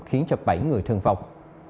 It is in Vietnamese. khiến cho bảy người thương vọng